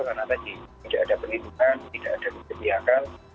karena tadi tidak ada penidikan tidak ada kebijakan